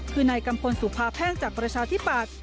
คือนายกำพลสุภาแพร่งจากประชาธิบัติ